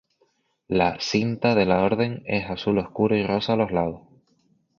La "cinta" de la orden es azul oscuro y rosa a los lados.